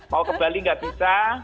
mau ke bali nggak bisa